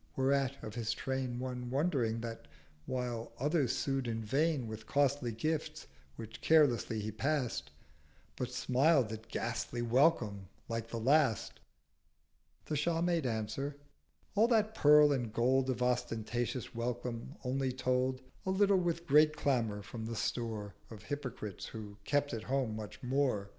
Whereat of his Train One wondering that, while others sued in vain With costly gifts, which carelessly he pass'd, But smiled at ghastly Welcome like the last; The Shah made answer—'All that Pearl and Gold Of ostentatious Welcome only told: A little with great Clamour from the Store Of hypocrites who kept at home much more.